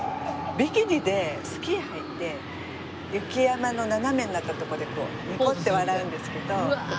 ビキニでスキー履いて雪山の斜めになったとこでニコッて笑うんですけど。